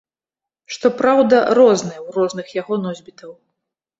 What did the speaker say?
Што праўда, розны ў розных яго носьбітаў.